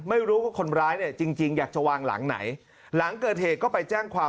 ไม่รู้ว่าคนร้ายเนี่ยจริงจริงอยากจะวางหลังไหนหลังเกิดเหตุก็ไปแจ้งความ